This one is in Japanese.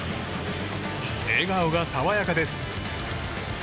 笑顔が爽やかです。